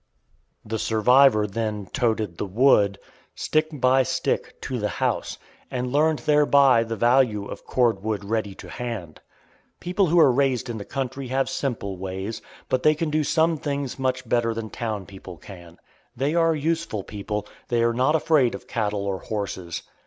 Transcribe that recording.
The survivor then "toted" the wood, stick by stick, to the house, and learned thereby the value of cord wood ready to hand. People who are raised in the country have simple ways, but they can do some things much better than town people can. They are useful people. They are not afraid of cattle or horses.